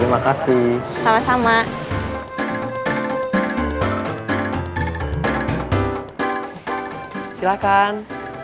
saya mau ke tempat yang lain